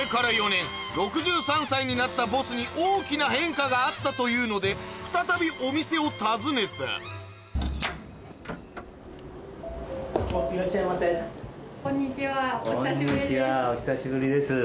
６３歳になったボスに大きな変化があったというので再びお店を訪ねたこんにちはお久しぶりです。